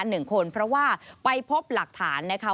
หนึ่งคนเพราะว่าไปพบหลักฐานนะคะ